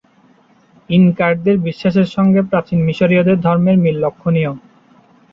ইনকাদের বিশ্বাসের সঙ্গে প্রাচীন মিশরীয়দের ধর্মের মিল লক্ষ্যনীয়।